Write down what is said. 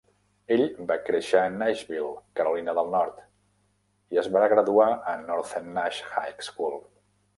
Ell va créixer a Nashville, Carolina del Nord, i es va graduar a Northern Nash High School.